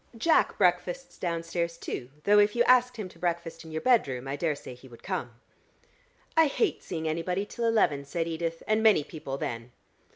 Jack breakfasts downstairs, too, though if you asked him to breakfast in your bedroom, I daresay he would come." "I hate seeing anybody till eleven," said Edith, "and many people then."